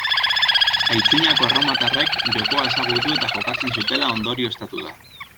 Aitzinako erromatarrek jokoa ezagutu eta jokatzen zutela ondorioztatu da.